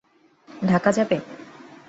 ঢাকা যাবে?